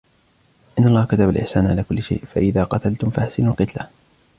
إِنَّ اللهَ كَتَبَ الإِحْسَانَ عَلَى كُلِّ شَيْءٍ، فَإِذَا قَتَلْتُمْ فَأَحْسِنُوا الْقِتْلَةَ